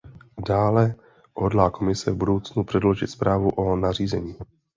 Dále, hodlá Komise v budoucnu předložit zprávu o nařízení?